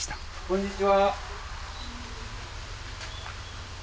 こんにちは。